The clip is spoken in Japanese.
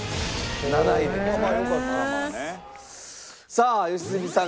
さあ良純さん